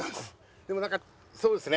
でもなんかそうですね。